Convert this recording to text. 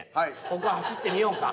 ここは走ってみようか。